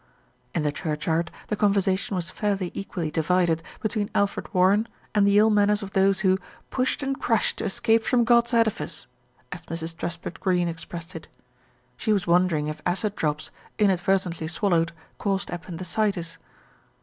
In the churchyard, the conversation was fairly equally divided between Alfred Warren and the ill manners of those who "pushed and crushed to escape from God's edifice," as Mrs. Truspitt Greene expressed it. She was wondering if acid drops inadvertently swal lowed caused appendicitis.